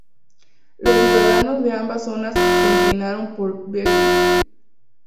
Los ciudadanos de ambas zonas se inclinaron por Vejle.